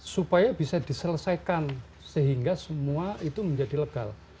supaya bisa diselesaikan sehingga semua itu menjadi legal